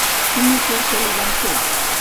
Quina oferta li van fer?